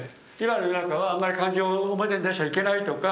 今の世の中はあんまり感情を表に出しちゃいけないとか。